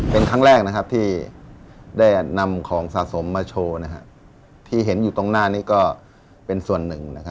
เป็นครั้งแรกที่ได้นำของสะสมมาโชว์ที่เห็นอยู่ตรงหน้านี้ก็เป็นส่วนหนึ่ง